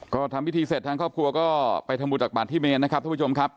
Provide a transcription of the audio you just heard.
ก็ทำพิธีเสร็จทางครอบครัวก็ไปทำบุญตักบาทที่เมนนะครับท่านผู้ชมครับ